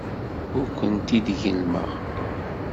Ur kent-id-gellmeɣ.